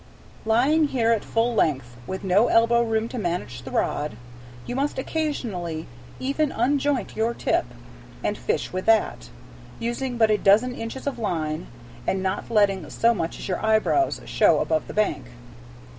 Lying here at full length, with no elbow room to manage the rod, you must occasionally even unjoint your tip, and fish with that, using but a dozen inches of line, and not letting so much as your eyebrows show above the bank.